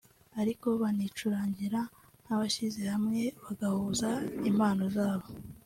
ariko banicurangira nk'abishyize hamwe bagahuza impano zabo